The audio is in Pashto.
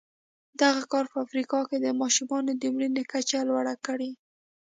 دغه کار په افریقا کې د ماشومانو د مړینې کچه لوړه کړې.